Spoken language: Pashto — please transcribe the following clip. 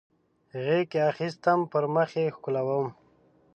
غیږ کې اخیستم پر مخ یې ښکلولم